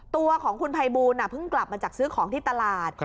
ตัวของคุณภัยบูลเพิ่งกลับมาจากซื้อของที่ตลาด